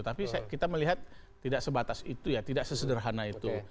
tapi kita melihat tidak sebatas itu ya tidak sesederhana itu